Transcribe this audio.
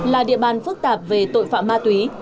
là địa bàn phức tạp về tội phạm ma túy